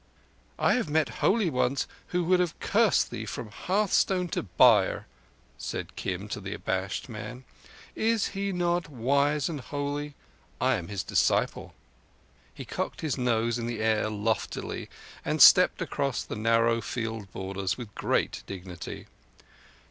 "I have met holy ones who would have cursed thee from hearthstone to byre," said Kim to the abashed man. "Is he not wise and holy? I am his disciple." He cocked his nose in the air loftily and stepped across the narrow field borders with great dignity.